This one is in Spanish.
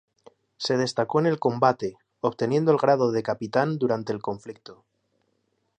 Se destacó en el combate, obteniendo el grado de capitán durante el conflicto.